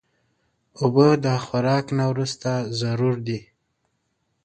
اوبه د خوراک نه وروسته ضرور دي.